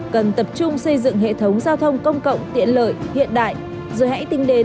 cần tập trung xây dựng hệ thống giao thông công cộng tiện lợi hiện đại rồi hãy tính đến